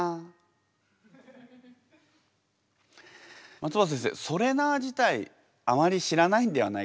松尾葉先生「それな」自体あまり知らないんではないかと。